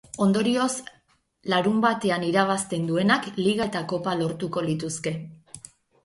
Ondorioz, larunbatean irabazten duenak liga eta kopa lortuko lituzke.